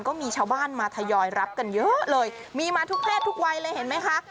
ก็มีชาวบ้านมาทยอยรับกันเยอะเลยมีมาทุกเพศทุกวัยเลยเห็นไหมคะ